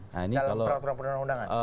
kalau peraturan peraturan undangan